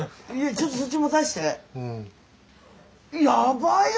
ちょっとそっち持たせて。